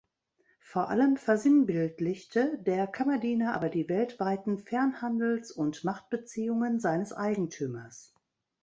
Vor allem versinnbildlichte der Kammerdiener aber die weltweiten Fernhandels- und Machtbeziehungen seines Eigentümers.